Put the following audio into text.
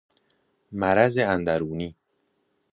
مرض اندرونی